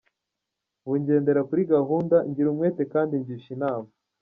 Ubu ngendera kuri gahunda, ngira umwete kandi ngisha inama.